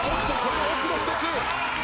奥の１つ。